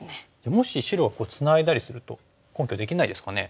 もし白がツナいだりすると根拠できないですかね。